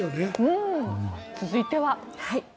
続いては。